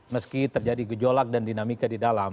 meski terjadi gejolak dan dinamika di dalam